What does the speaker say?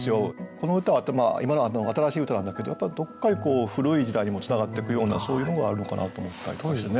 この歌は今の新しい歌なんだけどやっぱどっかに古い時代にもつながっていくようなそういうのがあるのかなと思ったりとかですね。